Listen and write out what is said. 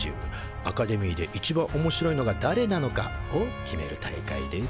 アカデミーで一番おもしろいのがだれなのかを決める大会です。